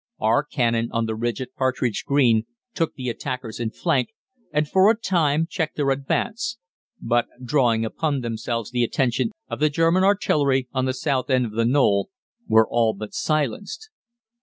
Our cannon on the ridge at Partridge Green took the attackers in flank, and for a time checked their advance, but, drawing upon themselves the attention of the German artillery, on the south end of the knoll, were all but silenced.